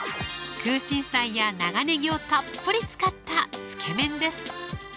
空心菜や長ねぎをたっぷり使ったつけ麺です